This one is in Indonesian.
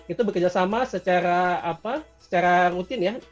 itu bekerjasama secara apa secara rutin ya